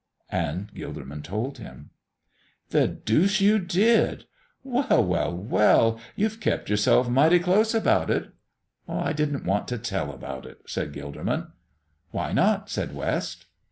And Gilderman told him. "The deuce you did! Well! Well! Well! You've kept yourself mighty close about it." "I didn't want to tell about it," said Gilderman. "Why not?" said West.